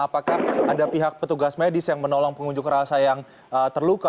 apakah ada pihak petugas medis yang menolong pengunjuk rasa yang terluka